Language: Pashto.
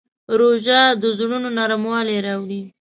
روژه د زړونو نرموالی راوړي.